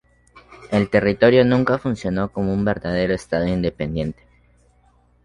El territorio nunca funcionó como un verdadero estado independiente.